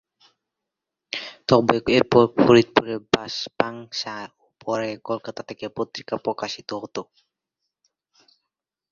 তবে এরপর ফরিদপুরের পাংশা ও পরে কলকাতা থেকে পত্রিকা প্রকাশিত হত।